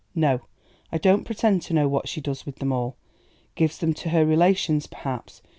No, I don't pretend to know what she does with them all. Gives them to her relations, perhaps.